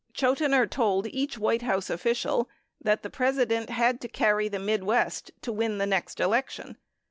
Chotiner told each White House official that the President had to carry the Midwest to win the next election.